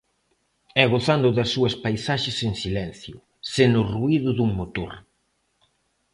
E gozando das súas paisaxes en silencio, sen o ruído dun motor.